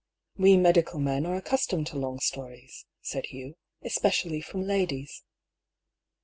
" We medical men are accustomed to long stories," said Hugh, " especially from ladies."